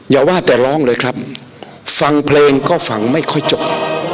อย่าว่าแต่ร้องเลยครับฟังเพลงก็ฟังไม่ค่อยจบ